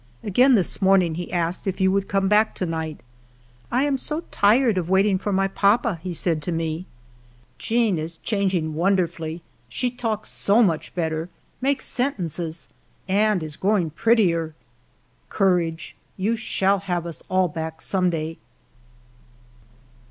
Again this morning he asked if you would come back to night. ' I am so tired of waiting for my papa,' he said to 32 FIVE YEARS OF MY LIFE me. Jeanne is changing wonderfully ; she talks so much better, makes sentences, and is growing prettier. Courage ; you shall have us all back some day."